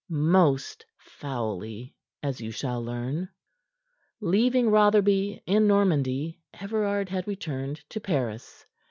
Most foully, as you shall learn. Leaving Rotherby in Normandy, Everard had returned to Paris.